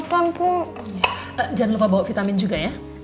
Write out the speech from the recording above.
kalau jangan lupa bawa vitamin juga ya